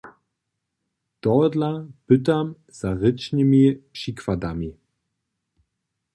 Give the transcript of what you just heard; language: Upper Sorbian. Tohodla pytam za rěčnymi přikładami.